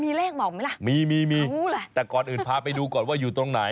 มีเลขบอกไหมล่ะมีมีรู้แหละแต่ก่อนอื่นพาไปดูก่อนว่าอยู่ตรงไหน